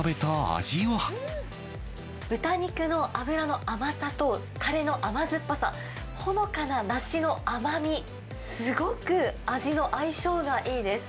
豚肉の脂の甘さと、たれの甘酸っぱさ、ほのかな梨の甘み、すごく味の相性がいいです。